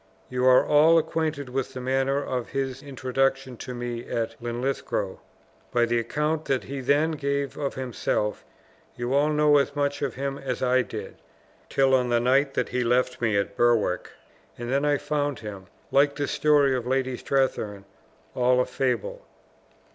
You are all acquainted with the manner of his introduction to me at Linlithgow. By the account that he then gave of himself, you all know as much of him as I did, till on the night that he left me at Berwick and then I found him, like this story of Lady Strathearn, all a fable."